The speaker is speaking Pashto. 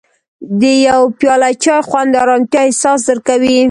د یو پیاله چای خوند د ارامتیا احساس درکوي.